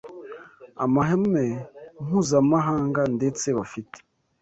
amahame mpuzamahanga ndetse bafite